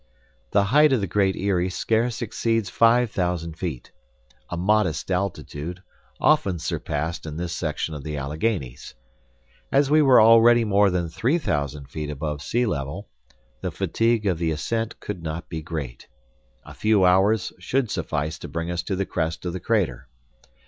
The height of the Great Eyrie scarce exceeds five thousand feet. A modest altitude, often surpassed in this section of the Alleghanies. As we were already more than three thousand feet above sea level, the fatigue of the ascent could not be great. A few hours should suffice to bring us to the crest of the crater.